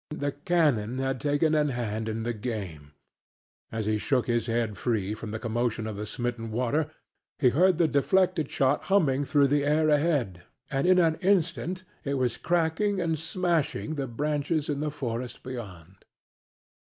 The cannon had taken a hand in the game. As he shook his head free from the commotion of the smitten water he heard the deflected shot humming through the air ahead, and in an instant it was cracking and smashing the branches in the forest beyond.